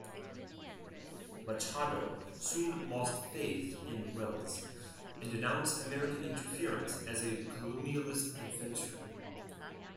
Machado soon lost faith in Welles and denounced American interference as a colonialist adventure.